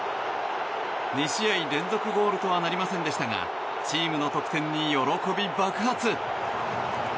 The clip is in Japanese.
２試合連続ゴールとはなりませんでしたがチームの得点に喜び爆発！